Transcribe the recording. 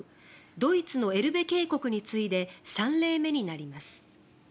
ドイツのエルベ渓谷に次いで３例目になります。